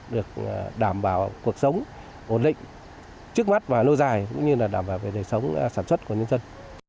được đảm bảo cuộc sống ổn định trước mắt và lâu dài cũng như là đảm bảo về đời sống sản xuất của nhân dân